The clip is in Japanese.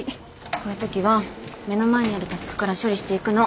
こういうときは目の前にあるタスクから処理していくの。